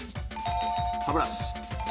歯ブラシ。